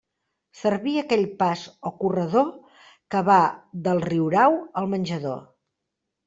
Servia aquell pas o corredor que va del riurau al menjador.